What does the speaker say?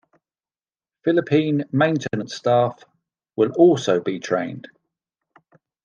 Philippine maintenance staff will also be trained.